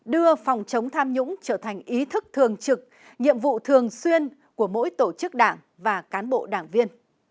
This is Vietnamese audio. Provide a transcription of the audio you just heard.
đưa phòng chống tham nhũng trở thành ý thức thường trực nhiệm vụ thường xuyên của mỗi tổ chức đảng và cán bộ đảng viên